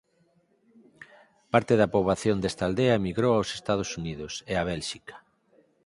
Parte da poboación desta aldea emigrou aos Estados Unidos e a Bélxica.